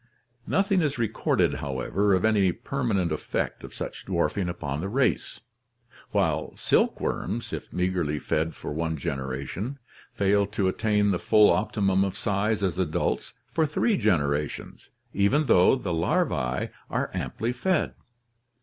Nothing is recorded, however, of any permanent effect of such dwarfing upon the race, while silk worms, if meagerly fed for one generation, fail to attain the full optimum of size as adults for three generations, even though the larvae are amply fed.